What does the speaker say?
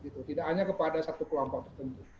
tidak hanya kepada satu kelompok tertentu